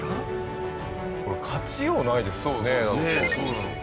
これ勝ちようないですもんねだって。